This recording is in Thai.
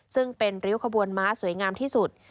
ซึ่งเป็นริ้วขบวนม้าสวยงามที่สุด